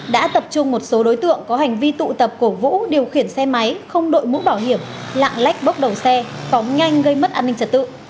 đã tập trung một số đối tượng có hành vi tụ tập cổ vũ điều khiển xe máy không đội mũ bảo hiểm lạng lách bốc đầu xe phóng nhanh gây mất an ninh trật tự